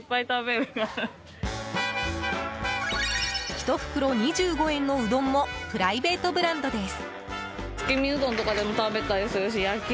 １袋２５円のうどんもプライベートブランドです。